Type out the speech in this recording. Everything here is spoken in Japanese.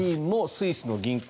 スイスの銀行。